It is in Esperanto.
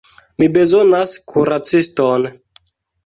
Mi bezonas kuraciston.